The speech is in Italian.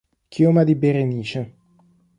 Chioma di Berenice